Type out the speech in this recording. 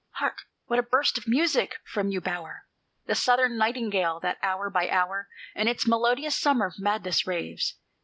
Hark, what a burst of music from yon bower! The Southern nightingale that hour by hour In its melodious summer madness raves.